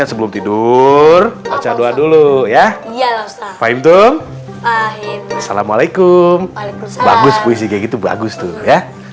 assalamualaikum warahmatullahi wabarakatuh